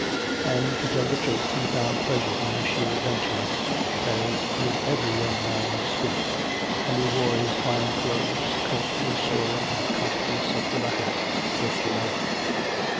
And, to tell the truth, he found pleasure in the sheer adventure of it, as would every young man of srpirit; and he wore his fine clothes, clinked his sword, and cocked his secular hat with delight.